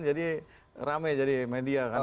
jadi rame jadi media kan